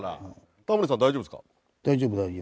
タモリさん大丈夫ですか？